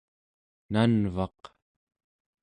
nanvaq